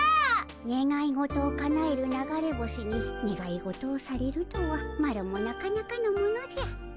ねがい事をかなえる流れ星にねがい事をされるとはマロもなかなかのものじゃ。